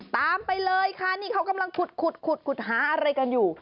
ตามไปเลยค่ะนี่เขากำลังขุดขุดหาอะไรกันอยู่